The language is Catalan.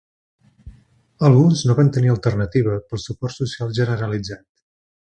Alguns no van tenir alternativa pel suport social generalitzat.